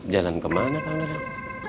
jalan kemana pak dadang